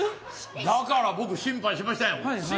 だから僕、審判しましたよ。